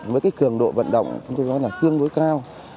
với cái cường độ vận động chúng tôi nói là tương đối cao